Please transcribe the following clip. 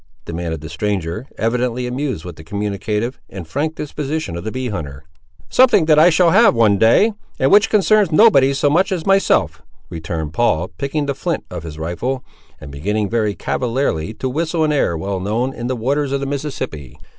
demanded the stranger, evidently amused with the communicative and frank disposition of the bee hunter. "Something that I shall have one day, and which concerns nobody so much as myself," returned Paul, picking the flint of his rifle, and beginning very cavalierly to whistle an air well known on the waters of the Mississippi.